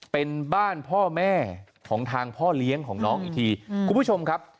เป็นบ้านพ่อแม่ของทางพ่อเลี้ยงของน้องอีกทีคุณผู้ชมครับ